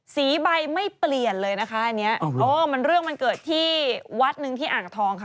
สีใบไม่เปลี่ยนเลยนะคะอันนี้เรื่องมันเกิดที่วัดหนึ่งที่อ่างทองค่ะ